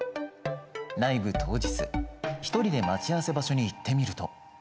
ライブ当日一人で待ち合わせ場所に行ってみると。